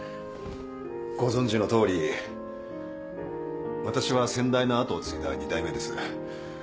ご存じの通り私は先代の後を継いだ２代目です。